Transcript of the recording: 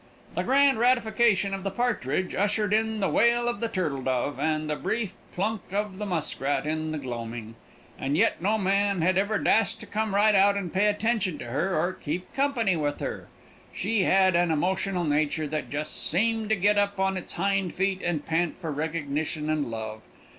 The grand ratification of the partridge ushered in the wail of the turtle dove and the brief plunk of the muskrat in the gloaming. And yet no man had ever dast to come right out and pay attention to her or keep company with her. She had an emotional nature that just seemed to get up on its hind feet and pant for recognition and love.